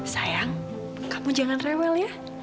sayang kamu jangan rewel ya